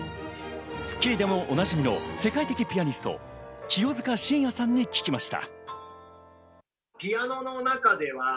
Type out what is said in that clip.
『スッキリ』でもおなじみの世界的ピアニスト・清塚信也さんに聞きました。